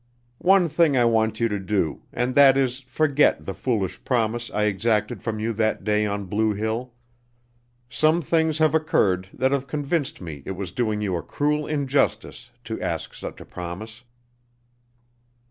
One thing I want you to do, and that is, forget the foolish promise I exacted from you that day on Blue Hill. Some things have occurred that have convinced me it was doing you a cruel injustice to ask such a promise."